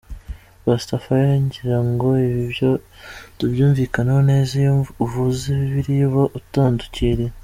Pastor Fire: Ngira ngo ibi byo tubyumvikaneho neza, iyo uvuze Bibiliya uba utandukiriye.